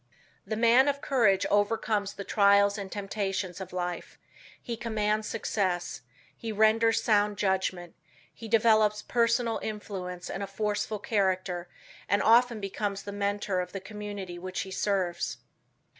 The man of courage overcomes the trials and temptations of life; he commands success; he renders sound judgment; he develops personal influence and a forceful character and often becomes the mentor of the community which he serves.